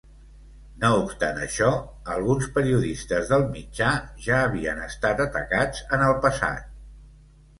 No obstat això, alguns periodistes del mitjà ja havien estat atacats en el passat.